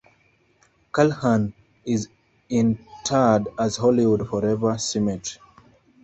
Calhern is interred at Hollywood Forever Cemetery.